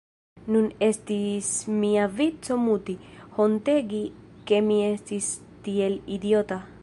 Nun estis mia vico muti, hontegi ke mi estis tiel idiota.